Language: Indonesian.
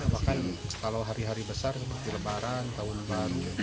bahkan kalau hari hari besar seperti lebaran tahun baru